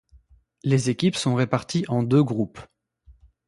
Les équipes sont réparties en deux groupes.